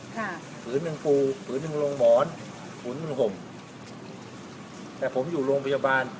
ผืนหนึ่งปูผืนหนึ่งลงหมอนผืนหนึ่งห่มแต่ผมอยู่โรงพยาบาล